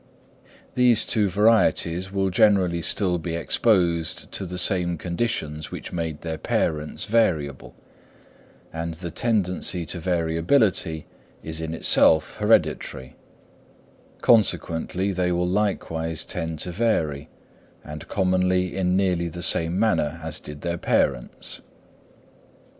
These two varieties will generally still be exposed to the same conditions which made their parents variable, and the tendency to variability is in itself hereditary; consequently they will likewise tend to vary, and commonly in nearly the same manner as did their parents.